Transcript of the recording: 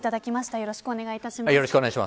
よろしくお願いします。